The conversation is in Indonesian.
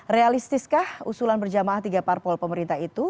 realistiskah usulan berjamaah tiga parpol pemerintah itu